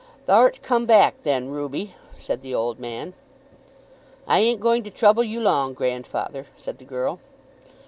"Thou'rt come back then, Ruby," said the old man. "I ain't going to trouble you long, grandfather," said the girl.